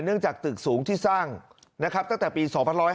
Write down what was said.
จากตึกสูงที่สร้างนะครับตั้งแต่ปี๒๕๕๙